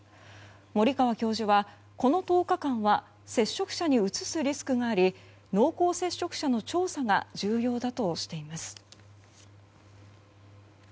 森川教授は、この１０日間は接触者にうつすリスクがあり濃厚接触者の調査が重要だとしています。